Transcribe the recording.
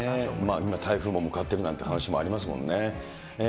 今、台風も向かってるなんて話もありますもんね。